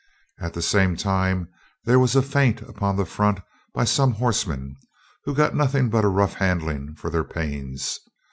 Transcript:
At the same time there was a feint upon the front by some horsemen, who got nothing but a rough handling for their pains.